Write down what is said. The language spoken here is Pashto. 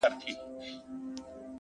په ټولو کتابو کي دی انسان مبارک